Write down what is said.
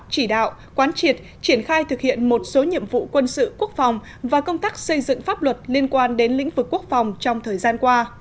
chỉ đạo quán triệt triển khai thực hiện một số nhiệm vụ quân sự quốc phòng và công tác xây dựng pháp luật liên quan đến lĩnh vực quốc phòng trong thời gian qua